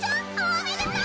おめでとう！